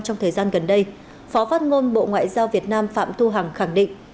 trong thời gian gần đây phó phát ngôn bộ ngoại giao việt nam phạm thu hằng khẳng định